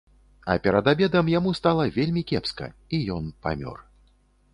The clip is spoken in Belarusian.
А перад абедам яму стала вельмі кепска, і ён памёр.